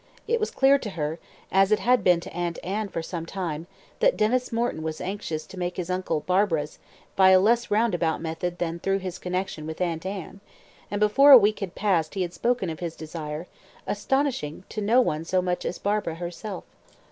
It was clear to her, as it had been to Aunt Anne for some time, that Denys Morton was anxious to make his uncle Barbara's, by a less round about method than through his connection with Aunt Anne; and before a week had passed he had spoken of his desire, astonishing no one so much as Barbara herself.